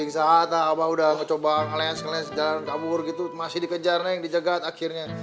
saat apa udah coba ngeles ngeles jalan kabur gitu masih dikejar naik dijegat akhirnya